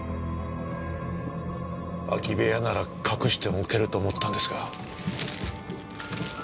空き部屋なら隠しておけると思ったんですが。